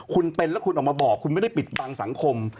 คุณเป็นแล้วคุณออกมาบอกคุณไม่ได้ปิดบังสังคม